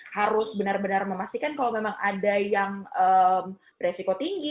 harus benar benar memastikan kalau memang ada yang beresiko tinggi